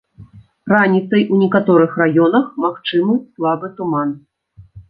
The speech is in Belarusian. Раніцай у некаторых раёнах магчымы слабы туман.